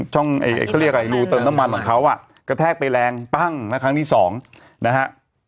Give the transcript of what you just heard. ช่องเขาเรียกอะไรรูเติมน้ำมันของเขาอ่ะกระแทกไปแรงปั้งนะครั้งที่สองนะฮะ